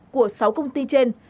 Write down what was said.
của sáu công ty trên